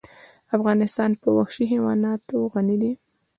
افغانستان په وحشي حیوانات غني دی.